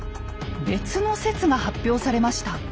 別の説が発表されました。